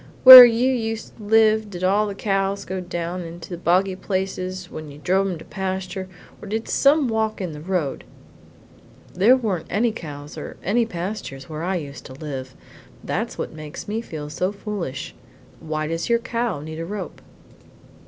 "Where you used to live did all the cows go down into the boggy places when you drove em to pasture, or did some walk in the road?" "There weren't any cows or any pastures where I used to live; that's what makes me so foolish; why does your cow need a rope?"